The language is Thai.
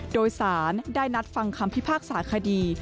โดยสารได้นัดฟังคำพิพากษาคดี